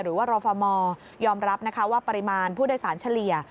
หรือว่ารฟมยอมรับนะคะว่าปริมาณผู้โดยสารเฉลี่ย